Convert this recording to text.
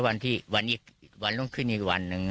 วันลุงขึ้นอีกวันหนึ่ง